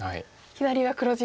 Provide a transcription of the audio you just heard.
左上は黒地。